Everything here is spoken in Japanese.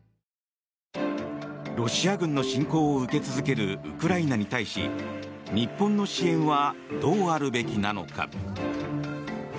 ロシア軍の侵攻を受け続けるウクライナに対し日本の支援はどうあるべきなのか。